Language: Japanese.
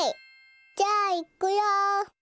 じゃあいくよ！